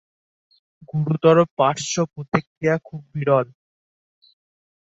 গুরুতর পার্শ্ব প্রতিক্রিয়া খুব বিরল।